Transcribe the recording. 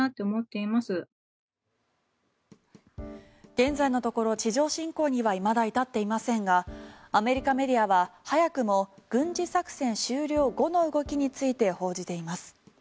現在のところ地上侵攻にはいまだ至っていませんがアメリカメディアは、早くも軍事作戦終了後の動きについて報じています。